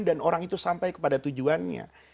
dan orang itu sampai kepada tujuannya